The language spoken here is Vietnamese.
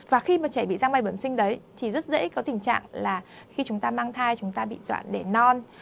và khi mà trẻ bị răng mai bẩm sinh đấy thì rất dễ có tình trạng là khi chúng ta mang thai chúng ta bị dọn đẻ non